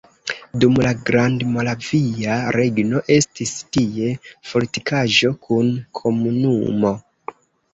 Dum la Grandmoravia Regno estis tie fortikaĵo kun komunumo.